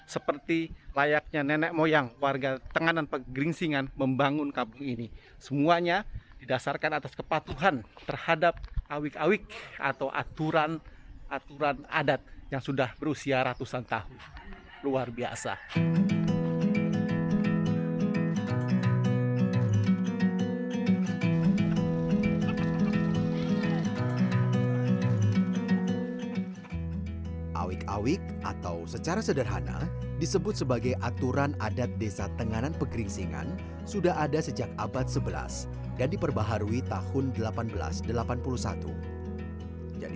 sampai jumpa di video selanjutnya